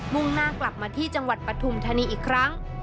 ่งหน้ากลับมาที่จังหวัดปฐุมธานีอีกครั้ง